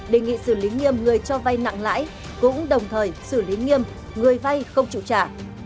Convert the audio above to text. đề nghị xử lý nghiêm người cho vay nặng lãi cũng đồng thời xử lý nghiêm người vay không chịu trả